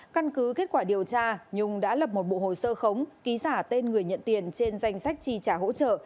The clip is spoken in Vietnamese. căn cứ kết quả điều tra nhung đã lập một bộ hồ sơ khống ký giả tên người nhận tiền trên danh sách chi trả hỗ trợ